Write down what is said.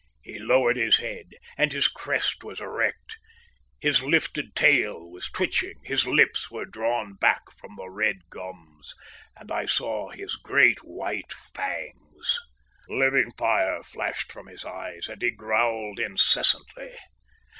He lowered his head, and his crest was erect. His lifted tail was twitching, his lips were drawn back from the red gums, and I saw his great white fangs. Living fire flashed from his eyes, and he growled incessantly.